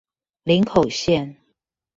林口線